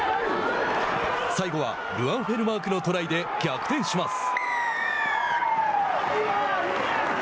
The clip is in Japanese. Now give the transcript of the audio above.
最後はルアン・フェルマークのトライで逆転します。